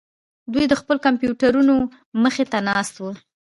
دوی د خپلو کمپیوټرونو مخې ته ناست وو